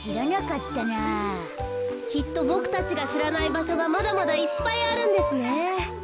きっとボクたちがしらないばしょがまだまだいっぱいあるんですね。